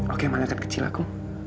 oke mana kan kecil aku